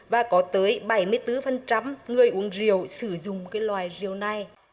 và có tới bảy mươi bốn người uống rượu sử dụng cái loài rượu này